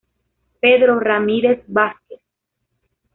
Pedro Ramírez Vázquez.